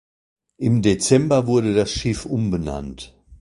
Im Dezember wurde das Schiff umbenannt.